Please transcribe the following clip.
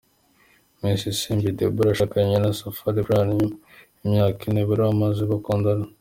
Miss Isimbi Deborah yashakanye na Safari Brian nyuma y’imyaka ine bari bamaze bakundana.